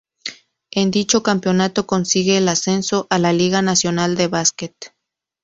En dicho campeonato consigue el ascenso a la Liga Nacional de Básquet.